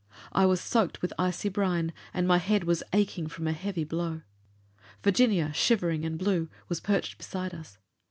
I was soaked with icy brine and my head was aching from a heavy blow. Virginia, shivering and blue, was perched beside us.